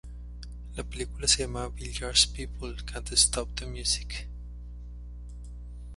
La película se llamaba Village People Can't Stop the Music.